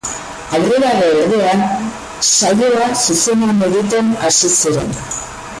Aurrerago ordea, saioa zuzenean egiten hasi ziren.